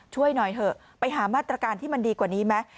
ช่วยหน่อยเถอะไปหามาตรการที่มันดีกว่านี้ไหม